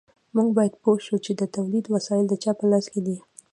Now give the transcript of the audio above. موږ باید پوه شو چې د تولید وسایل د چا په لاس کې دي.